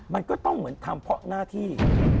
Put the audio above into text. มันก็ต้องเหมือนทำเพราะหน้าที่